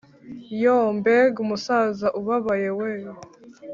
yooh mbega umusaza ubabaye we!!”.